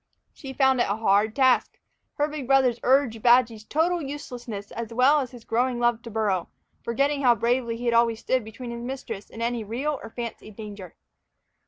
She found it a hard task. Her big brothers urged Badgy's total uselessness as well as his growing love to burrow, forgetting how bravely he had always stood between his mistress and any real or fancied danger.